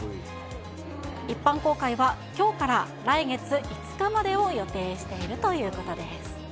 一般公開はきょうから来月５日までを予定しているということです。